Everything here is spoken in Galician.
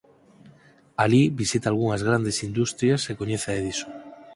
Alí visita algunhas grandes industrias e coñece a Edison.